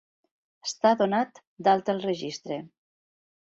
Estar donat d'alta al Registre.